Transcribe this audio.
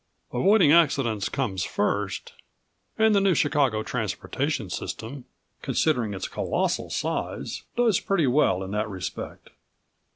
Avoiding accidents comes first and the New Chicago Transportation System, considering its colossal size, does pretty well in that respect."